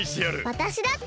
わたしだって！